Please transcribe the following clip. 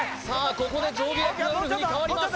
ここで上下役はウルフに代わります